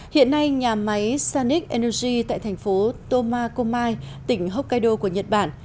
hiện nay nhà máy sanic energy tại thành phố tomakomai tỉnh hokkaido của nhật bản